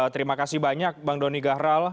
terima kasih banyak bang doni gahral